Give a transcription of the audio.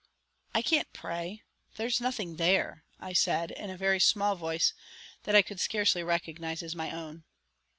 "I can't pray there's nothing there," I said in a very small voice that I could scarcely recognize as my own.